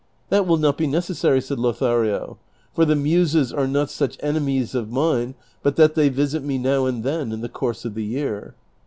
" That will not be necessary," said Lothario, " for the muses are not such enemies of mine but that they visit me now and then in the course of the year.